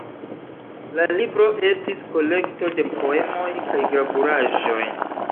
La libro estis kolekto de poemoj kaj gravuraĵoj.